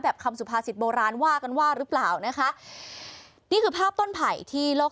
คำสุภาษิตโบราณว่ากันว่าหรือเปล่านะคะนี่คือภาพต้นไผ่ที่โลก